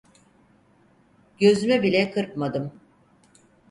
Gözümü bile kırpmadım.